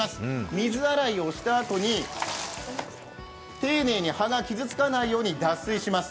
水洗いをしたあとに、丁寧に葉が傷つかないように脱水します。